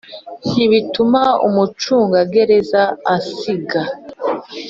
ntibituma umucungagereza asiga